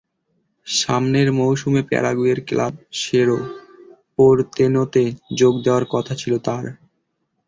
সামনের মৌসুমে প্যারাগুয়ের ক্লাব সেরো পোরতেনোতে যোগ দেওয়ার কথা ছিল তাঁর।